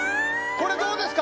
これどうですか？